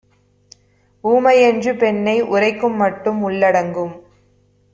ஊமைஎன்று பெண்ணை உரைக்குமட்டும் உள்ளடங்கும்